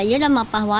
tidak ada apa apa